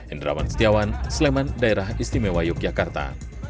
indrawan setiawan sleman daerah istimewa yogyakarta